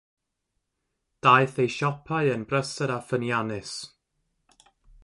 Daeth ei siopau yn brysur a ffyniannus.